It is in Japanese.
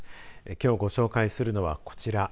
きょうご紹介するのはこちら。